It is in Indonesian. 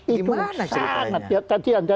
di mana ceritanya